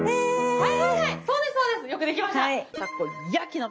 はい。